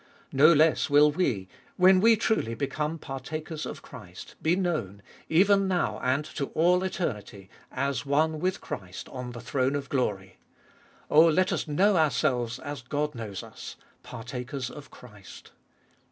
No less will we, when we truly become partakers of Christ, be known, even now and to all eternity, as one with Christ on the throne of glory. Oh, let us know ourselves as God knows us — partakers of Christ.